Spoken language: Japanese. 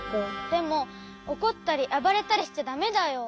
でもおこったりあばれたりしちゃだめだよ。